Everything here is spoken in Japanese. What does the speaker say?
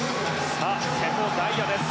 さあ、瀬戸大也です。